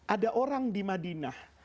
ada orang di madinah